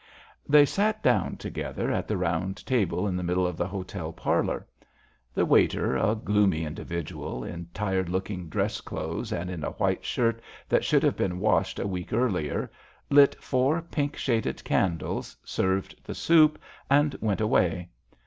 They sat down together at the round table in the middle of the hotel' parlour. The waiter, a gloomy individual, in tired looking dress clothes and in a white shirt that should have been washed a week earlier, lit four pink shaded candles, served the soup, and went away.